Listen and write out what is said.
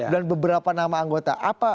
dan beberapa nama anggota